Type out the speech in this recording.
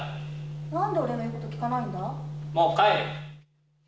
なんで俺の言うこと聞かないもう帰る。